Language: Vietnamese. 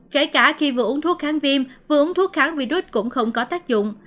kể cả khi vừa uống thuốc kháng viêm vừa uống thuốc kháng virus cũng không có tác dụng